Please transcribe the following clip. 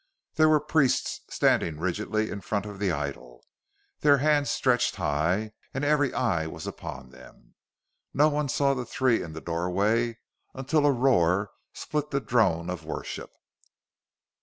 There were priests standing rigidly in front of the idol, their hands stretched high; and every eye was upon them. None saw the three in the doorway until a roar split the drone of worship.